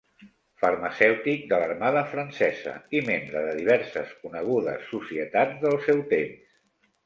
Farmacèutic de l'Armada francesa i membre de diverses conegudes societats del seu temps.